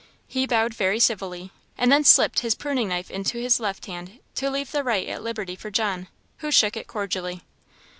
He bowed very civilly, and then slipped his pruning knife into his left hand, to leave the right at liberty for John, who shook it cordially.